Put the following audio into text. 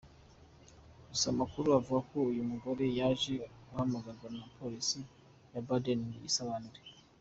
Gusa amakuru avuga ko uyu mugore yaje guhamagarwa na polisi ya Baden ngo yisobanure.